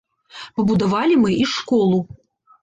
Пабудавалі мы і школу.